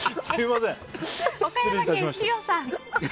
岡山県の方。